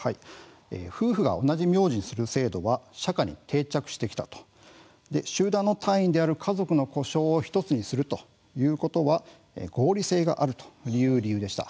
夫婦が同じ名字にする制度は社会に定着してきた集団の単位である家族の呼称を１つにするということは合理性があるという理由でした。